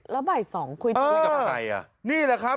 แล้วบ่าย๒คุยกับใครอะเออนี่แหละครับ